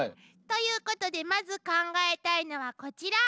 ということでまず考えたいのはこちら。